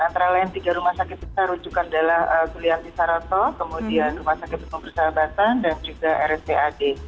antara lain tiga rumah sakit besar rujukan adalah gulianti saroto kemudian rumah sakit umum persahabatan dan juga rspad